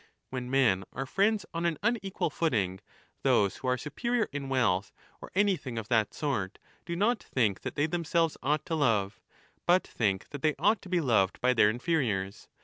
When men are friends on an unequal footing, those who are superior in wealth or anything of that sort do not think that they themselves ought to love, but think that 5 they ought to be loved by their inferiors.